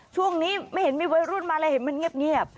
ช่วงนี้ไม่เห็นมีวัยรุ่นมาเลยเห็นมันเงียบ